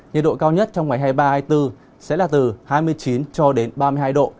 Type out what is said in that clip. nhiệt độ cao nhất trong ngày hai mươi ba hai mươi bốn sẽ là từ hai mươi chín cho đến ba mươi hai độ